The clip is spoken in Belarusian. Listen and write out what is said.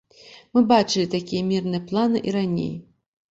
Мы бачылі такія мірныя планы і раней.